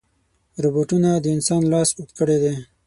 روبوټونه د انسان لاس اوږد کړی دی.